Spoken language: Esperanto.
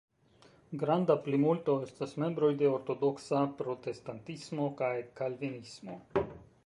Granda plimulto estas membroj de ortodoksa protestantismo kaj kalvinismo.